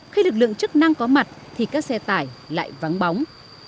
khi lực lượng chức năng có mặt thì các xe tải lại vắng bóng